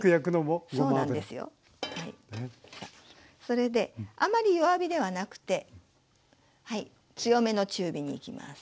それであまり弱火ではなくて強めの中火にいきます。